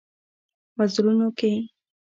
وزرونو کې